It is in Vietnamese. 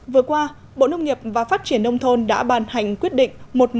vừa qua bộ nông nghiệp và phát triển nông thôn đã bàn hành quyết định một nghìn một trăm tám mươi sáu